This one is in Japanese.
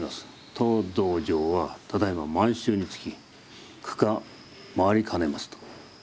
「当道場はただいま満衆につき庫下回りかねます」と。